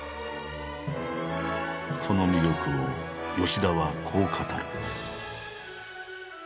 その魅力を吉田はこう語る。